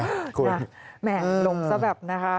โอ้โหแหม่งหลบซะแบบนะฮะ